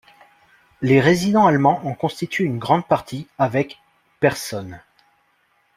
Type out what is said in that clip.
Les résidents allemands en constituent une grande partie avec personnes.